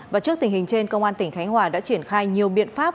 và trước tình hình trên công an tỉnh khánh hòa đã triển khai nhiều biện pháp